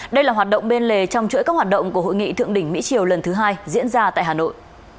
đây là hoạt động bên lề trong chuỗi các hoạt động của hội nghị thượng đỉnh mỹ triều lần thứ hai diễn ra tại hà nội